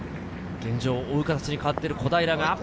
現状、追う形に変わってる小平。